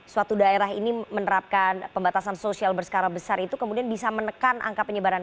suatu daerah ini menerapkan pembatasan sosial berskala besar itu kemudian bisa menekan angka penyebaran